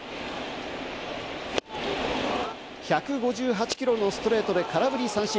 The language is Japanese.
１５８キロのストレートで空振り三振。